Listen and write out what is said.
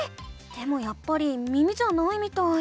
でもやっぱり耳じゃないみたい。